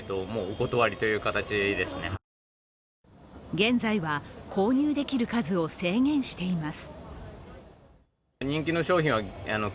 現在は、購入できる数を制限しています。